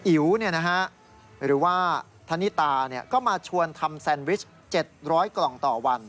อิ๋วหรือว่าธนิตาก็มาชวนทำแซนวิช๗๐๐กล่องต่อวัน